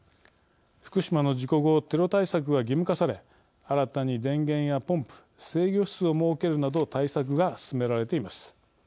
福島の事故後テロ対策が義務化され新たに電源やポンプ制御室を設けるなど対策が進められています。